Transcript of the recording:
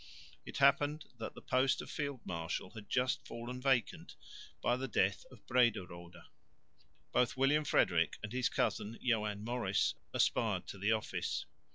It happened that the post of field marshal had just fallen vacant by the death of Brederode. Both William Frederick and his cousin Joan Maurice aspired to the office.